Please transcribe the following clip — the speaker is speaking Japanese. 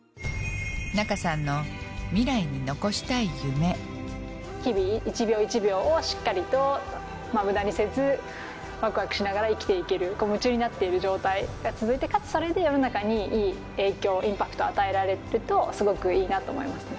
仲さんの日々１秒１秒をしっかりと無駄にせずワクワクしながら生きていける夢中になっている状態が続いてかつそれで世の中にいい影響をインパクトを与えられるとすごくいいなと思いますね。